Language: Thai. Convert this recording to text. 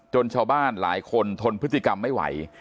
ชาวบ้านหลายคนทนพฤติกรรมไม่ไหว